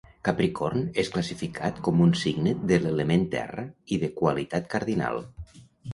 Capricorn és classificat com un signe de l'element terra i de qualitat cardinal.